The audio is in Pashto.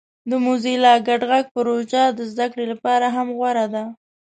د موزیلا ګډ غږ پروژه د زده کړې لپاره هم غوره ده.